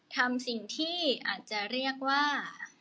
ทำสิ่งที่อาจจะเรียกว่า